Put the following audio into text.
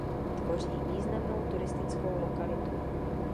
Tvoří významnou turistickou lokalitu.